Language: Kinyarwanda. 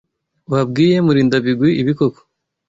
Wabwiye Murindabigwi ibi koko?